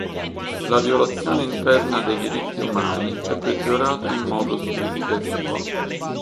La violazione interna dei diritti umani è peggiorata in modo significativo.